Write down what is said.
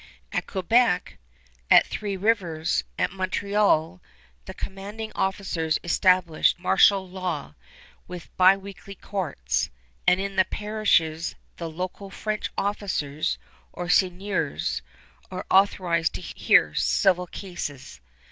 At Quebec, at Three Rivers, at Montreal, the commanding officers established martial law with biweekly courts; and in the parishes the local French officers, or seigneurs, are authorized to hear civil cases.